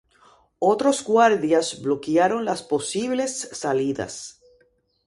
Otros guardias bloquearon las posibles salidas.